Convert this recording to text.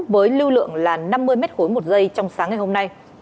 với lưu lượng là năm mươi mét khối một giây trong sáng ngày hôm nay